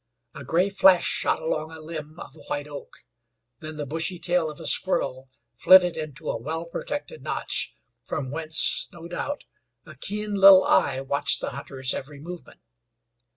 A gray flash shot along a limb of a white oak; then the bushy tail of a squirrel flitted into a well protected notch, from whence, no doubt, a keen little eye watched the hunter's every movement.